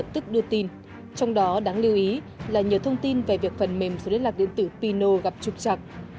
trong đó đáng lưu ý là nhiều thông tin về việc phần mềm số liên lạc điện tử pino gặp trục chặt